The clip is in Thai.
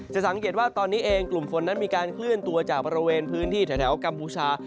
สังเกตว่าตอนนี้เองกลุ่มฝนนั้นมีการเคลื่อนตัวจากบริเวณพื้นที่แถวกัมพูชา